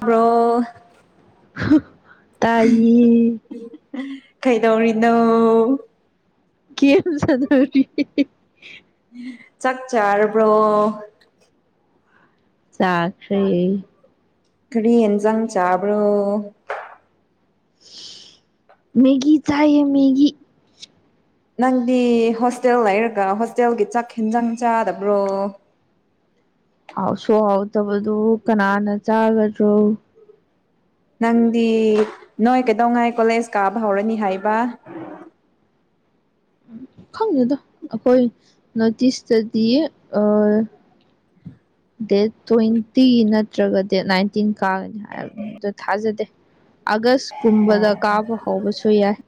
Bro ꯍ ꯇꯥꯏꯌꯦ ꯫ ꯀꯩꯗꯧꯔꯤꯅꯣ ꯒꯦꯝ ꯁꯥꯟꯅꯔꯤꯌꯦ ꯆꯥꯛ ꯆꯥꯔꯕ꯭ꯔꯣ꯫ ꯆꯥꯈ꯭ꯔꯦ꯫ ꯀꯔꯤ ꯍꯦꯟꯖꯥꯡ ꯆꯥꯕ꯭ꯔꯣ꯫ ꯃꯦꯒꯤ ꯆꯥꯏꯑꯦ ꯃꯦꯒꯤ꯫ ꯅꯪꯗꯤ ꯍꯣꯁꯇꯦꯜ ꯂꯩꯔꯒ ꯍꯣꯁꯇꯦꯜꯒꯤ ꯆꯥꯛ ꯍꯦꯟꯖꯥꯡ ꯆꯥꯗꯕ꯭ꯔꯣ꯫ ꯍꯥꯎꯁꯨ ꯍꯥꯎꯇꯕꯗꯨꯕꯨ ꯀꯅꯥꯅ ꯆꯥꯒꯗ꯭ꯔꯣ꯫ ꯅꯪꯗꯤ ꯅꯣꯏ ꯀꯩꯗꯧꯉꯥꯏ ꯀꯣꯂꯦꯁ ꯀꯥꯕ ꯍꯧꯔꯅꯤ ꯍꯥꯏꯕ꯫ ꯈꯪꯗꯦꯗ ꯑꯈꯣꯏ ꯅꯣꯇꯤꯏꯁꯇꯗꯤ ꯑ ꯗꯦꯠ ꯇ꯭ꯋꯦꯟꯇꯤ ꯅꯠꯇ꯭ꯔꯒ ꯗꯦꯠ ꯅꯥꯏꯟ ꯇꯤꯟ ꯀꯥꯒꯅꯤ ꯍꯥꯏꯕꯅꯤ ꯑꯗꯨ ꯊꯥꯖꯗꯦ ꯑꯥꯒꯁ ꯀꯨꯝꯕꯗ ꯀꯥꯕ ꯍꯧꯕꯁꯨ ꯌꯥꯏ꯫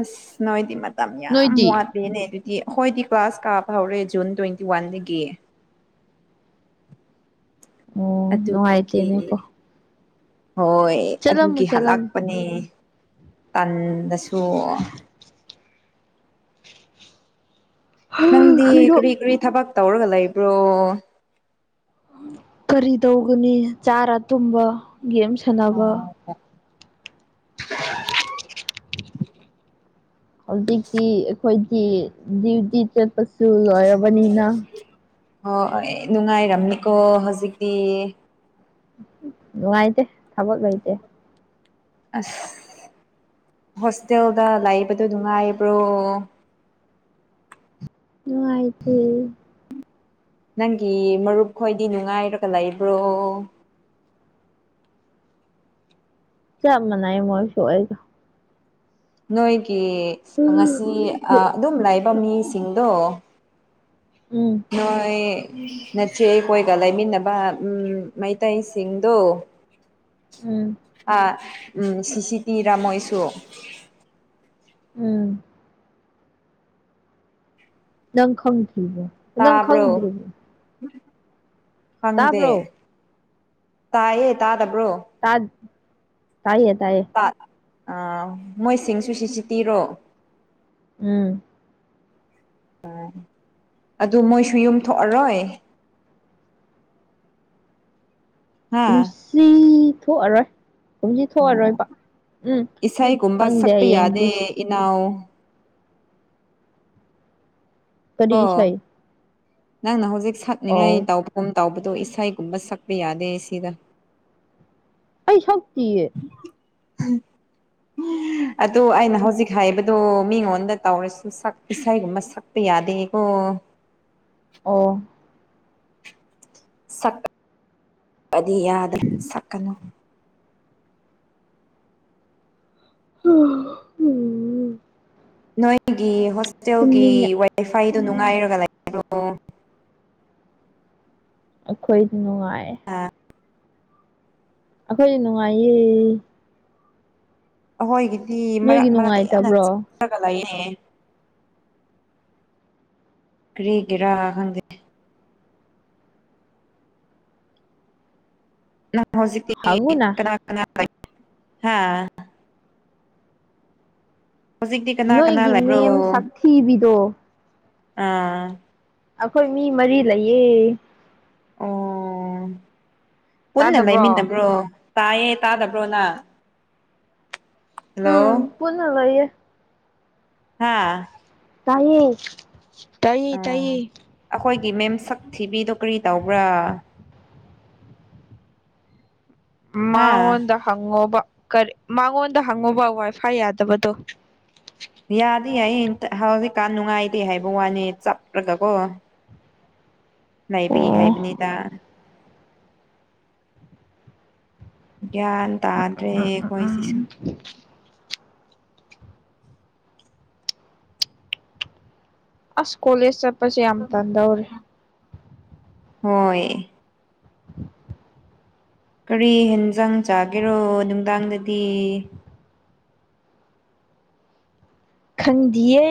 ꯑꯁ ꯅꯣꯏꯗꯤ ꯃꯇꯝ ꯌꯥꯝ ꯅꯣꯏꯗꯤ ꯋꯥꯠ ꯂꯦꯅꯦ ꯑꯗꯨꯗꯤ ꯑꯈꯣꯏꯗꯤ ꯀ꯭ꯂꯥꯁ ꯀꯥꯕ ꯍꯧꯔꯦ ꯖꯨꯟ ꯇ꯭ꯋꯦꯟꯇꯤ ꯋꯥꯟꯗꯒꯤ꯫ ꯑꯣ ꯑꯗꯨ ꯈꯣꯏꯒꯤ ꯅꯨꯡꯉꯥꯏꯇꯦꯅꯦꯀꯣ ꯍꯣꯏ ꯆꯠꯂꯝꯃꯨ ꯑꯗꯨꯒꯤ ꯆꯠꯂꯝꯃꯨ ꯍꯜꯂꯛꯄꯅꯦ꯫ ꯇꯟꯗꯁꯨ [inaudible] ꯍꯥ ꯅꯪꯗꯤ ꯈꯣꯏꯔꯣ ꯀ꯭ꯔꯤ ꯀ꯭ꯔꯤ ꯊꯕꯛ ꯇꯧꯔꯒ ꯂꯩꯕ꯭ꯔꯣ꯫ ꯀꯔꯤ ꯇꯧꯒꯅꯤ ꯆꯥꯔ ꯇꯨꯝꯕ ꯒꯦꯝ ꯁꯥꯟꯅꯕ ꯍꯧꯖꯤꯛꯇꯤ ꯑꯩꯈꯣꯏꯗꯤ ꯗ꯭ꯌꯨꯇꯤ ꯆꯠꯄꯁꯨ ꯂꯣꯏꯔꯕꯅꯤꯅ ꯑꯣ ꯅꯨꯡꯉꯥꯏꯔꯝꯅꯤꯀꯣ ꯍꯧꯖꯤꯛꯇꯤ ꯅꯨꯡꯉꯥꯏꯇꯦ ꯊꯕꯛ ꯂꯩꯇꯦ ꯑꯁ ꯍꯣꯁꯇꯦꯜꯗ ꯂꯩꯕꯗꯣ ꯅꯨꯡꯉꯥꯏꯕ꯭ꯔꯣ ꯅꯨꯡꯉꯥꯏꯇꯦ ꯅꯪꯒꯤ ꯃꯔꯨꯞ ꯈꯣꯏꯗꯤ ꯅꯨꯡꯉꯥꯏꯔꯒ ꯂꯩꯕ꯭ꯔꯣ ꯆꯝ ꯃꯅꯥꯏ ꯃꯣꯏꯁꯨ ꯑꯩꯒ ꯅꯣꯏꯒꯤ ꯉꯁꯤ ꯑ ꯑꯗꯨꯝ ꯂꯩꯕ ꯃꯤꯁꯤꯡꯗꯣ ꯎꯝ ꯅꯣꯏ ꯅꯆꯦ ꯑꯩꯈꯣꯏꯒ ꯂꯩꯃꯤꯟꯅꯕ ꯎꯝ ꯃꯩꯇꯩꯁꯤꯡꯗꯣ ꯎꯝ ꯑꯥ ꯎꯝ ꯁꯤ ꯁꯤ ꯇꯤꯔꯥ ꯃꯣꯏꯁꯨ ꯎꯝ ꯅꯪ ꯈꯪꯗ꯭ꯔꯤꯕꯣ ꯅꯪ ꯇꯥꯕ꯭ꯔꯣ ꯈꯪꯗ꯭ꯔꯤꯕꯣ ꯈꯪꯗꯦ ꯇꯥꯕ꯭ꯔꯣ ꯇꯥꯏꯌꯦ ꯇꯥꯗꯕ꯭ꯔꯣ ꯇꯥꯠ ꯇꯥꯏꯌꯦ ꯇꯥꯏꯌꯦ [unintelligible] ꯑꯥ ꯃꯣꯏꯁꯤꯡꯁꯨ ꯁꯤ ꯁꯤ ꯇꯤꯔꯣ ꯎꯝ ꯍꯣꯏ ꯑꯗꯨ ꯃꯣꯏꯁꯨ ꯌꯨꯝ ꯊꯣꯛꯑꯔꯣꯏ ꯍꯥ ꯄꯨꯟꯁꯤ ꯊꯣꯛꯑꯔꯣꯏ ꯀꯨꯝꯁꯤ ꯑꯣ ꯊꯣꯛꯑꯔꯣꯏꯕ ꯎꯝ ꯏꯁꯩꯒꯨꯝꯕ ꯈꯪꯗꯦ ꯁꯛꯄ ꯌꯥꯗꯦ ꯍꯌꯦꯡꯗꯤ ꯏꯅꯥꯎ ꯀꯔꯤ ꯀꯣ ꯏꯁꯩ ꯅꯪꯅ ꯍꯧꯖꯤꯛ ꯑꯣ ꯁꯛꯅꯤꯡꯉꯥꯏ ꯇꯥꯎꯕ ꯀꯨꯝ ꯇꯥꯎꯕꯗꯣ ꯏꯁꯩꯒꯨꯝꯕ ꯁꯛꯄꯤ ꯌꯥꯗꯦ ꯁꯤꯗ ꯑꯩ ꯁꯛꯇꯤꯌꯦ [unintelligible] ꯑꯗꯣ ꯑꯩꯅ ꯍꯧꯖꯤꯛ ꯍꯥꯏꯕ ꯗꯣ ꯃꯤꯉꯣꯟꯗ ꯇꯧꯔꯁꯨ ꯁꯛ ꯏꯁꯩꯒꯨꯝꯕ ꯁꯛꯄ ꯌꯥꯗꯦꯀꯣ ꯑꯣ ꯁꯛ ꯑꯗꯤ ꯌꯥꯗꯔꯦ ꯁꯛꯀꯅꯨ [unintelligible] ꯅꯣꯏꯒꯤ ꯍꯣꯁꯇꯦꯜꯒꯤ ꯇꯨꯝꯅꯤꯡꯉꯦ ꯋꯥꯏꯐꯥꯏꯗꯨ ꯅꯨꯡꯉꯥꯏꯔꯒ ꯂꯩꯕ꯭ꯔꯣ ꯑꯩꯈꯣꯏꯗꯤ ꯅꯨꯡꯉꯥꯏ ꯑꯥ ꯑꯈꯣꯏꯗꯤ ꯅꯨꯡꯉꯥꯏꯌꯦ ꯑꯈꯣꯏꯒꯤꯗꯤ ꯅꯣꯏꯒꯤ ꯃꯔꯛ ꯃꯔꯛꯇ ꯌꯥꯝꯅ ꯆꯞ ꯅꯨꯡꯉꯥꯏꯇꯕ꯭ꯔꯣ ꯈ꯭ꯔꯒ ꯂꯩꯌꯦ ꯀꯔꯤꯒꯤꯔꯥ ꯈꯪꯗꯦ ꯅꯪ ꯍꯧꯖꯤꯛꯇꯤ ꯍꯪꯉꯨꯅ ꯀꯅꯥ ꯀꯅꯥ ꯂꯩ ꯍꯥ ꯍꯧꯖꯤꯛꯇꯤ ꯀꯅꯥ ꯀꯅꯥ ꯅꯣꯏꯒꯤ ꯂꯩꯕ꯭ꯔꯣ ꯃꯦꯝ ꯁꯛꯊꯤꯕꯤꯗꯣ ꯑꯥ ꯑꯩꯈꯣꯏ ꯃꯤ ꯃꯔꯤ ꯂꯩꯌꯦ ꯑꯣ ꯄꯨꯟꯅ ꯇꯥꯗꯕ꯭ꯔꯣ ꯂꯩꯃꯤꯟꯅꯕ꯭ꯔꯣ ꯇꯥꯏꯌꯦ ꯇꯥꯗꯕ꯭ꯔꯣꯅꯥ ꯎꯝ ꯍꯜꯂꯣ ꯄꯨꯟꯅ ꯂꯩꯌꯦ ꯍꯥꯥ ꯇꯥꯏꯌꯦ ꯀꯩ ꯇꯩ ꯑꯩꯥꯈꯣꯏꯒꯤ ꯃꯦꯝ ꯁꯛ ꯊꯤꯕꯤꯗꯣ ꯀꯔꯤ ꯇꯧꯕ꯭ꯔꯥ ꯍꯥ ꯃꯉꯣꯟꯗ ꯍꯪꯉꯣꯕ ꯀꯔꯤ ꯃꯉꯣꯟꯗ ꯍꯪꯉꯣꯕ ꯋꯥꯏ ꯐꯥꯏ ꯌꯥꯗꯕꯗꯣ ꯌꯥꯗꯤ ꯌꯥꯏ ꯏꯟꯇꯥ ꯍꯧꯖꯤꯛꯀꯥꯟ ꯅꯨꯡꯉꯥꯏꯇꯦ ꯍꯥꯏꯕ ꯋꯥꯅꯦ ꯆꯠꯔꯒꯀꯣ ꯂꯩꯥꯕꯤ ꯑꯣ ꯍꯥꯏꯕꯅꯤꯗ ꯒ꯭ꯌꯥꯟ ꯇꯥꯗ꯭ꯔꯦ ꯑꯩꯈꯣꯏ ꯁꯤꯁꯨ [unintelligible] ꯑꯁ ꯀꯣꯂꯦꯖ ꯆꯠꯄꯁꯦ ꯌꯥꯝ ꯇꯟꯗꯧꯔꯤ ꯍꯣꯏ ꯀꯔꯤ ꯍꯦꯟꯖꯥꯡ ꯆꯥꯒꯦꯔꯣ ꯅꯨꯡꯗꯥꯡꯗꯗꯤ ꯈꯪꯗꯤꯌꯦ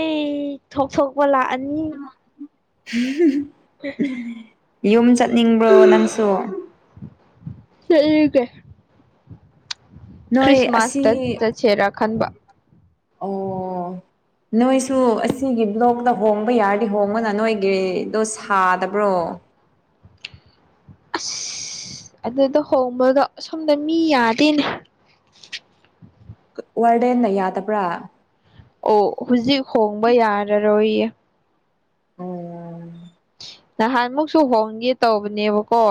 ꯊꯣꯛ ꯊꯣꯛꯄ ꯂꯥꯛꯑꯅꯤ ꯌꯨꯝ ꯆꯠꯅꯤꯡꯕ꯭ꯔꯣ ꯅꯪꯁꯨ ꯆꯠꯅꯤꯡꯉꯦ ꯅꯣꯏ ꯈ꯭ꯔꯤꯁꯃꯥꯁꯇ ꯑꯁꯤ ꯆꯠꯁꯦꯔꯥ ꯈꯟꯕ ꯑꯣ ꯅꯣꯏꯁꯨ ꯑꯁꯤꯒꯤ ꯕ꯭ꯂꯣꯛꯇ ꯍꯣꯡꯕ ꯌꯥꯔꯗꯤ ꯍꯣꯡꯉꯣꯅ ꯅꯣꯏꯒꯤꯗꯣ ꯁꯥꯗꯕ꯭ꯔꯣ ꯑꯁ ꯑꯗꯨꯗ ꯍꯣꯡꯕꯗꯣ ꯁꯣꯝꯗ ꯃꯤ ꯌꯥꯗꯦꯅꯦ ꯋꯥꯔꯗꯦꯟꯅ ꯌꯥꯗꯕ꯭ꯔꯥ ꯑꯣ ꯍꯧꯖꯤꯛ ꯍꯣꯡꯕ ꯌꯥꯔꯔꯣꯏꯌꯦ ꯑꯣ ꯅꯍꯥꯟꯃꯨꯛꯁꯨ ꯍꯣꯡꯒꯦ ꯇꯧꯕꯅꯦꯕꯀꯣ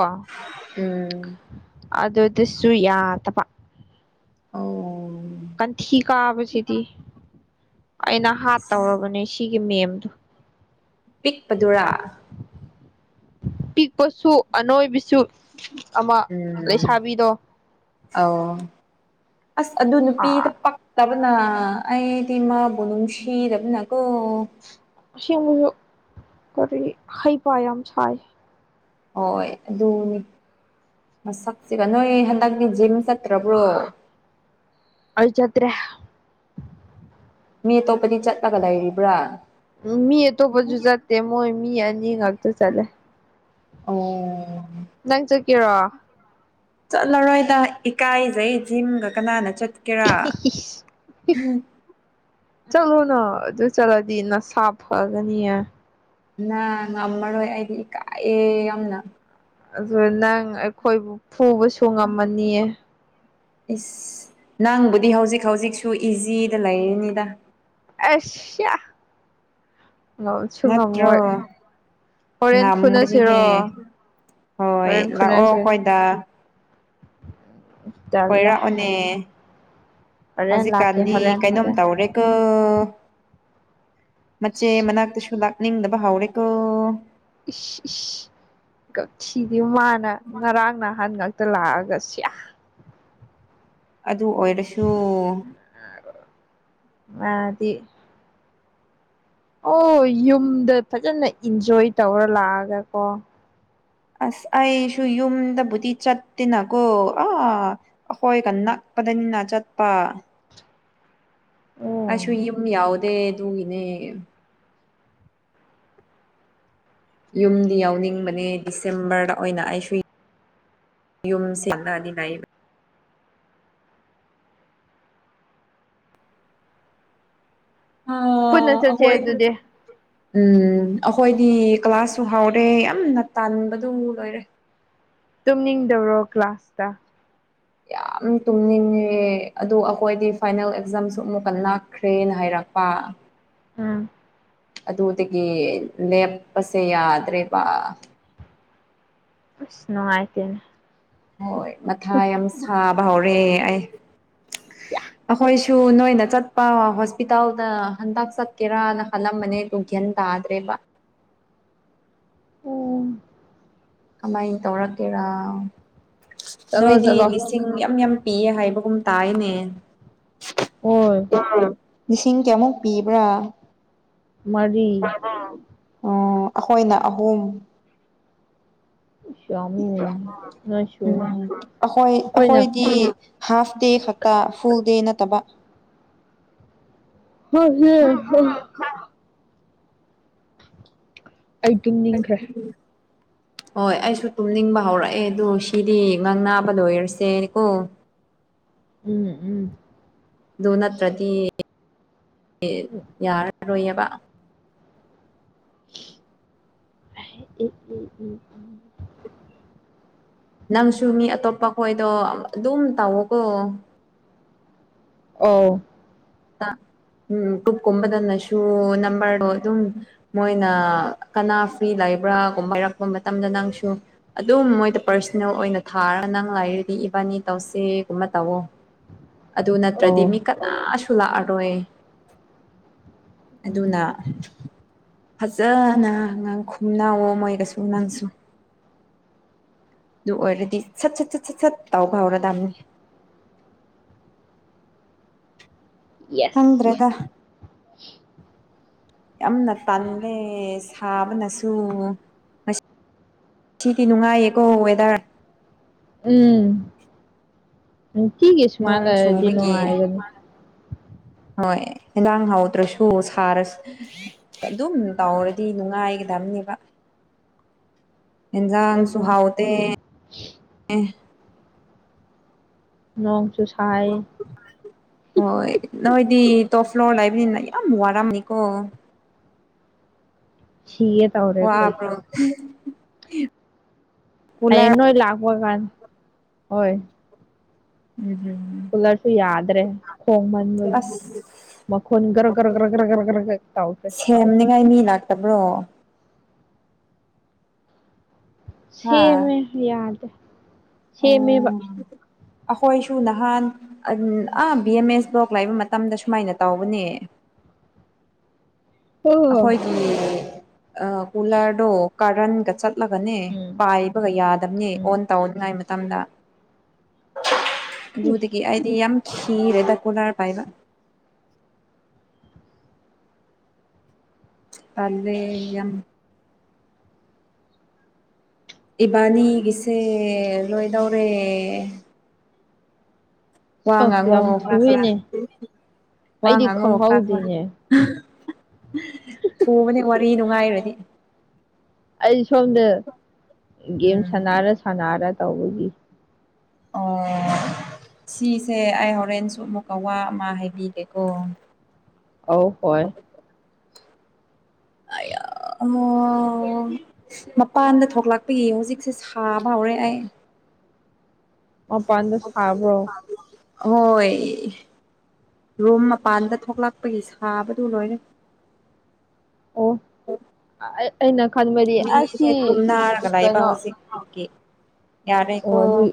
ꯎꯝ ꯑꯗꯨꯗꯁꯨ ꯌꯥꯗꯕ ꯎꯝ ꯀꯟꯊꯤ ꯀꯥꯕꯁꯤꯗꯤ ꯑꯩꯅ ꯍꯥꯠꯇꯧꯔꯕꯅꯦ ꯁꯤꯒꯤ ꯃꯦꯝꯗꯣ ꯄꯤꯛꯄꯗꯨꯔꯥ ꯄꯤꯛꯄꯁꯨ ꯑꯅꯣꯏꯕꯤꯁꯨ ꯎꯝ ꯑꯧ ꯑꯁ ꯑꯗꯨ ꯅꯨꯄꯤꯗꯣ ꯄꯛ ꯇꯕꯅ ꯑꯩꯗꯤ ꯃꯥꯕꯨ ꯅꯨꯡꯁꯤꯗꯕꯅ ꯀꯣ ꯑꯁꯦꯡꯕꯁꯨ ꯀꯔꯤ ꯍꯩꯄꯥ ꯌꯥꯝ ꯁꯥꯏ ꯍꯣꯏ ꯑꯗꯨꯅꯤ ꯃꯁꯛꯁꯤꯒ ꯅꯣꯏ ꯍꯟꯗꯛꯇꯤ ꯖꯤꯝ ꯆꯠꯇ꯭ꯔꯕ꯭ꯔꯣ ꯑꯩ ꯆꯠꯇ꯭ꯔꯦ ꯃꯤ ꯑꯇꯣꯞꯄꯗꯤ ꯆꯠꯂꯒ ꯂꯩꯔꯤꯕ꯭ꯔꯥ ꯎꯝ ꯃꯤ ꯑꯇꯣꯞꯄꯁꯨ ꯆꯠꯇꯦ ꯃꯣꯏ ꯃꯤ ꯑꯅꯤ ꯈꯛꯇ ꯆꯠꯂꯦ ꯑꯣ ꯅꯪ ꯆꯠꯀꯦꯔꯣ ꯆꯠꯂꯔꯣꯏꯗ ꯏꯀꯥꯏꯖꯩ ꯖꯤꯝꯒ ꯀꯅꯥꯅ ꯆꯠ [inaudible] ꯆꯠꯂꯣꯅꯥ ꯑꯗꯨ ꯆꯠꯂꯗꯤ ꯅꯁꯥ ꯐꯒꯅꯤꯌꯦ ꯅꯥ ꯉꯝꯃꯔꯣꯏ ꯑꯩꯗꯤ ꯏꯀꯥꯏꯌꯦ ꯌꯥꯝꯅ ꯑꯗꯨꯒ ꯅꯪ ꯑꯩꯈꯣꯏꯕꯨ ꯐꯨꯕꯁꯨ ꯉꯝꯃꯅꯤꯌꯦ ꯏꯁ ꯅꯪꯕꯨꯗꯤ ꯍꯧꯖꯤꯛ ꯍꯧꯖꯤꯛꯁꯨ ꯏꯖꯤꯗ ꯂꯩꯔꯤꯅꯤꯗ ꯑꯁ ꯁꯤꯌꯥ ꯉꯝꯁꯨ ꯅꯠꯇ꯭ꯔꯣ ꯉꯝꯃꯣꯏ ꯍꯣꯔꯦꯟ ꯐꯨꯅꯁꯤꯔꯣ ꯉꯝꯒꯅꯤꯍꯦ ꯍꯣꯏ ꯍꯣꯔꯦꯟ ꯂꯥꯛꯑꯣ ꯐꯨꯅꯁꯦ ꯑꯩꯈꯣꯏꯗ ꯇꯜꯂꯦ ꯀꯣꯏꯔꯛꯑꯣꯅꯦ ꯍꯣꯔꯦꯟ ꯂꯥꯛꯀꯦ ꯍꯧꯖꯤꯛꯀꯥꯟꯗꯤ ꯍꯣꯔꯦꯟ ꯀꯩꯅꯣꯝ ꯍꯣꯔꯦꯟ ꯇꯧꯔꯦ ꯀ ꯃꯆꯦ ꯏꯁ ꯃꯅꯥꯛꯇꯁꯨ ꯂꯥꯛꯅꯤꯡꯗꯕ ꯍꯧꯔꯦ ꯀ ꯏꯁ ꯏꯁ ꯀꯛꯁꯤꯗꯤ ꯃꯥꯅ ꯉꯔꯥꯡ ꯅꯅꯥꯍꯟ ꯉꯥꯛ ꯇ ꯂꯥꯛꯑꯒ ꯁꯤꯌꯥ ꯑꯗꯨ ꯑꯣꯏꯔꯁꯨ ꯃꯥꯗꯤ ꯑꯣ ꯌꯨꯝꯗ ꯐꯖꯅ ꯏꯟꯖꯣꯏ ꯇꯧꯔ ꯂꯥꯛꯑꯒ ꯀꯣ ꯑꯁ ꯑꯩꯁꯨ ꯌꯨꯝꯗꯕꯨꯗꯤ ꯆꯠꯇꯅ ꯀꯣ ꯑꯥ ꯑꯩꯈꯣꯏꯒ ꯅꯛꯄꯗꯅꯤꯅ ꯆꯠꯄ ꯎꯝ ꯑꯩꯁꯨ ꯌꯨꯝ ꯌꯥꯎꯗꯦ ꯑꯗꯨꯒꯤꯅꯦ ꯌꯨꯝꯗꯤ ꯌꯥꯎꯅꯤꯡꯕꯅꯦ ꯗꯤꯁꯦꯝꯕꯔꯗꯥ ꯑꯣꯏꯅ ꯑꯩꯁꯨ ꯌꯨꯝ ꯁꯦꯡꯅꯗꯤ ꯅꯩꯕ ꯍꯥ ꯄꯨꯟꯅ ꯆꯠꯁꯦ ꯑꯍꯣꯏ ꯑꯗꯨꯗꯤ ꯎꯝ ꯑꯈꯣꯏꯗꯤ ꯀ꯭ꯂꯥꯁꯁꯨ ꯍꯥꯎꯔꯦ ꯌꯥꯝꯅ ꯇꯥꯟꯕꯗꯨ ꯂꯣꯏꯔꯦ ꯇꯨꯝꯅꯤꯡꯗꯧꯔꯣ ꯀ꯭ꯂꯥꯁꯇꯥ ꯌꯥꯝ ꯇꯨꯝꯅꯤꯡꯉꯦ ꯑꯗꯨ ꯑꯈꯣꯏꯗꯤ ꯐꯥꯏꯅꯦꯜ ꯑꯦꯛꯖꯥꯝꯁꯨ ꯑꯃꯨꯛꯀꯥ ꯅꯛꯈ꯭ꯔꯦꯅ ꯍꯥꯏꯔꯛꯄ ꯎꯝ ꯑꯗꯨꯗꯥꯒꯤ ꯂꯦꯞꯄꯁꯦ ꯌꯥꯗ꯭ꯔꯦꯕ ꯑꯁ ꯅꯨꯡꯉꯥꯏꯇꯦꯅꯦ ꯍꯣꯏ ꯃꯊꯥ ꯌꯥꯝ ꯁꯥꯕ ꯍꯧꯔꯦ ꯑꯩ ꯑꯈꯣꯏ ꯁꯨ ꯅꯣꯏꯅ ꯆꯠꯄ ꯍꯣꯁꯄꯤꯇꯥꯜꯗꯥ ꯍꯟꯇꯛ ꯆꯠꯀꯦꯔꯅ ꯈꯜꯂꯝꯕꯅꯦ ꯑꯗꯨ ꯒ꯭ꯌꯥꯟ ꯇꯥꯗ꯭ꯔꯦꯕ ꯑꯣ ꯀꯃꯥꯏꯟ ꯇꯧꯔꯛꯀꯦꯔꯥ ꯆꯠꯂꯣ ꯅꯣꯏꯗꯤ ꯆꯠꯂꯣ ꯂꯤꯁ ꯁꯤꯡ ꯃꯌꯥꯝ ꯃꯌꯥꯝ ꯄꯤꯌꯦ ꯍꯥꯏꯕꯒꯨꯝ ꯇꯥꯥꯏꯌꯦꯅꯦ ꯍꯣꯏ ꯎꯝ ꯂꯤꯁꯤꯡ ꯀꯌꯥꯃꯨꯛ ꯄꯤꯕ꯭ꯔꯥ ꯃꯔꯤ ꯎꯝ ꯑꯣ ꯑꯈꯣꯏꯅ ꯑꯍꯨꯝ [unintelligible] ꯅꯣꯏꯁꯨ ꯎꯝ ꯑꯈꯣꯏ ꯑꯩꯈꯣꯏꯅ ꯑꯈꯣꯏꯗꯤ ꯍꯥꯐ ꯗꯦ ꯈꯛꯇꯥ ꯐꯨꯜ ꯗꯦ ꯅꯠꯇꯕ [unintelligible] ꯑꯩ ꯇꯨꯝꯅꯤꯡꯈ꯭ꯔꯦ [unintelligible] [inaudible] ꯍꯣꯏ ꯑꯩꯁꯨ ꯇꯨꯝꯅꯤꯡꯕ ꯍꯧꯔꯛꯑꯦ ꯑꯗꯨ ꯁꯤꯗꯤ ꯉꯥꯡꯅꯥꯕ ꯂꯣꯏꯔꯥꯁꯦ ꯀꯣ ꯎꯝ ꯎꯝ ꯑꯗꯨ ꯅꯠꯇ꯭ꯔꯥꯗꯤ [unintelligible] ꯌꯥꯔꯔꯣꯏꯑꯕ ꯑꯦ ꯑꯦ ꯑꯦ ꯅꯪꯁꯨ ꯃꯤ ꯑꯇꯣꯞꯄ ꯈꯣꯏꯗꯣ ꯑꯗꯨꯝ ꯇꯧꯋꯣꯀꯣ ꯑꯧ ꯇꯥ ꯎꯝ ꯀꯨꯞꯀꯨꯝꯕꯅꯁꯨ ꯅꯝꯕꯔꯗꯣ ꯑꯗꯨꯝ ꯃꯣꯏꯅ ꯀꯅꯥ ꯐ꯭ꯔꯤ ꯂꯩꯕ꯭ꯔꯥꯒꯨꯝꯕ ꯍꯥꯔꯛꯄ ꯃꯇꯝꯗꯥ ꯅꯪꯁꯨ ꯑꯗꯨꯝ ꯃꯣꯏꯗ ꯄꯔꯁꯣꯅꯦꯜ ꯑꯣꯏꯅ ꯊꯥꯔꯒ ꯅꯪ ꯂꯩꯔꯤꯗꯤ ꯏꯕꯥꯅꯤ ꯇꯧꯁꯦꯒꯨꯝꯕ ꯇꯧꯋꯣ [inaudible] ꯑꯗꯨ ꯅꯠꯇ꯭ꯔꯥꯗꯤ ꯑꯧ ꯃꯤ ꯀꯅꯥꯁꯨ ꯂꯥꯛꯑꯔꯣꯏ ꯎꯝ ꯑꯗꯨꯅ ꯐꯖꯅ ꯉꯥꯡ ꯈꯨꯝꯅꯋꯣ ꯃꯣꯏꯒꯥꯁꯨ ꯅꯪꯁꯨ ꯑꯗꯨ ꯑꯣꯏꯔꯗꯤ ꯁꯠ ꯁꯠ ꯁꯠ ꯁꯠ ꯁꯠ ꯇꯥꯎꯕ ꯍꯧꯔꯗꯥꯕꯅꯤ ꯌꯦꯁ ꯈꯪꯗ꯭ꯔꯦꯗ [inaudible] ꯌꯥꯝꯅ ꯇꯜꯂꯦ ꯁꯥꯕꯅꯁꯨ ꯉꯁ ꯁꯤꯗꯤ ꯅꯨꯡꯉꯥꯏꯌꯦꯀꯣ ꯋꯦꯗꯔ ꯎꯝ ꯅꯨꯡꯇꯤꯒꯤ ꯁꯨꯃꯥꯏ ꯅꯣꯡ ꯂꯩꯔꯗꯤ ꯆꯨꯕꯒꯤ ꯅꯨꯉꯥꯏꯒꯥꯅꯤ ꯍꯣꯏ ꯍꯦꯟꯗꯥꯥꯡ ꯍꯥꯎꯇ꯭ꯔꯥꯁꯨ ꯁꯥꯔꯁ ꯑꯗꯨꯝ ꯇꯧꯔꯗꯤ ꯅꯨꯡꯉꯥꯏꯒꯥꯗꯕꯅꯦꯕ [inaudible] ꯏꯟꯖꯥꯡꯁꯨꯨ ꯑꯗꯨꯅꯤ ꯍꯥꯎꯇꯦ ꯑꯦ ꯅꯣꯡ ꯆꯨꯁꯥꯏ ꯍꯣꯏ ꯅꯣꯏꯗꯤ ꯇꯣꯞ ꯐ꯭ꯂꯣꯔ ꯂꯩꯕꯅꯤꯅ ꯌꯥꯝ ꯋꯥꯔꯝꯅꯤꯀꯣ꯫ ꯁꯤꯌꯦ ꯋꯥꯕ꯭ꯔꯣ ꯍꯥꯌꯦꯡ ꯀꯨꯂꯔ ꯅꯣꯏ ꯂꯥꯛꯄ ꯀꯥꯟ ꯍꯣꯏ [unintelligible] ꯀꯨꯂꯔꯁꯨ ꯌꯥꯗ꯭ꯔꯦ ꯍꯣꯡꯃꯟꯕꯒꯤ꯫ ꯑꯁ ꯃꯈꯣꯟ ꯒꯔꯛ ꯒꯔꯛ ꯒꯔꯛ ꯒꯔꯛ ꯒꯔꯛ ꯒꯔꯛ ꯒꯔꯛ ꯇꯧꯈ꯭ꯔꯦ꯫ ꯁꯦꯝꯅꯤꯡꯉꯥꯏ ꯃꯤ ꯂꯥꯛꯇꯕ꯭ꯔꯣ ꯍꯥ ꯁꯦꯝꯃꯦ ꯌꯥꯗꯦ ꯑꯣ ꯁꯦꯝꯃꯦꯕ꯫ ꯑꯩꯈꯣꯏꯁꯨ ꯅꯍꯥꯟ ꯑꯟ ꯑꯥ ꯕꯤ ꯑꯦꯝ ꯑꯦꯁ ꯕꯥꯎ ꯂꯥꯛꯏꯕ ꯃꯇꯝꯗ ꯁꯨꯃꯥꯏꯅ ꯇꯧꯕꯅꯦ꯫ ꯑꯣ ꯑꯩꯈꯣꯏꯒꯤ ꯑ ꯀꯨꯂꯔꯗꯣ ꯀꯔꯟꯒ ꯆꯠꯂꯒꯅꯦ ꯎꯝ ꯄꯥꯏꯞ ꯍꯣꯏ ꯌꯥꯗꯕꯅꯦ ꯑꯣꯟ ꯎꯝ ꯇꯧꯅꯤꯡꯉꯥꯏ ꯃꯇꯝꯗ ꯑꯗꯨꯗꯒꯤ ꯑꯩꯗꯤ ꯌꯥꯝ ꯈꯤꯔꯦꯗ ꯀꯨꯂꯥꯔ ꯄꯥꯏꯕ꯫ ꯇꯜꯂꯦ ꯌꯥꯝ ꯏꯕꯥꯅꯤꯒꯤꯁꯦ ꯂꯣꯏꯗꯧꯔꯦ꯫ ꯋꯥ ꯑ ꯉꯥꯡꯉꯣ ꯌꯥꯝ ꯈꯔ ꯈꯔ ꯊꯨꯏꯅꯦ ꯇꯨꯃꯤꯟ ꯋꯥ ꯑꯩꯗꯤ ꯉꯥꯡꯉꯣ ꯈꯔ ꯈꯔ ꯈꯪꯍꯧꯗꯦꯅꯦ ꯊꯨꯕꯅꯦ ꯋꯥꯔꯤ ꯅꯨꯡꯉꯥꯏꯔꯗꯤ꯫ ꯑꯩ ꯁꯣꯝꯗ ꯒꯦꯝ ꯎꯝ ꯁꯥꯟꯅꯔ ꯁꯥꯟꯅꯔ ꯇꯧꯕꯒꯤ ꯑꯣ ꯁꯤꯁꯦ ꯑꯩ ꯍꯣꯔꯦꯟꯁꯨ ꯑꯃꯨꯛꯀ ꯋꯥ ꯑꯃ ꯍꯥꯏꯕꯤꯒꯦꯀꯣ꯫ ꯑꯧ ꯍꯣꯏ [unintelligible] ꯑꯃꯨꯛ ꯃꯄꯥꯟꯗ ꯊꯣꯛꯂꯛꯄꯒꯤ ꯍꯧꯖꯤꯛꯁꯦ ꯁꯥꯕ ꯍꯧꯔꯦ ꯑꯩ꯫ ꯃꯄꯥꯟꯗ ꯁꯥꯕ꯭ꯔꯣ ꯑꯍꯣꯏ ꯔꯨꯝ ꯃꯄꯥꯟꯗ ꯊꯣꯛꯂꯛ ꯄꯒꯤ ꯁꯥꯕꯗꯨ ꯂꯣꯏꯔꯦ ꯑꯣ ꯑ-ꯑꯩ ꯑꯩꯅ ꯈꯟꯕꯗꯤ ꯑꯁꯤ ꯀꯩꯅꯣ ꯑꯣꯀꯦ ꯑꯣ ꯌꯥꯔꯦꯀꯣ ꯑꯗꯨꯏ